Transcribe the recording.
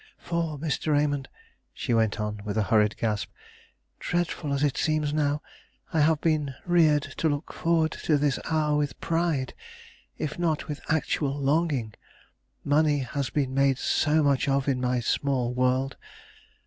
For, Mr. Raymond," she went on, with a hurried gasp, "dreadful as it seems now, I have been reared to look forward to this hour with pride, if not with actual longing. Money has been made so much of in my small world.